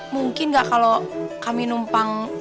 mungkin nggak kalau kami numpang